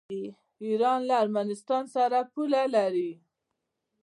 ایران له ارمنستان سره پوله لري.